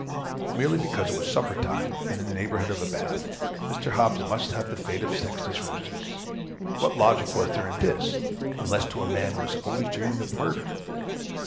Merely because it was supper time, and in the neighborhood of a bath, Mr. Hobbes must have the fate of Sextus Roscius. What logic was there in this, unless to a man who was always dreaming of murder?